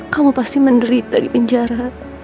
kamu pasti menderita di penjara